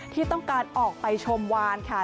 ที่ต้องการออกไปชมวานค่ะ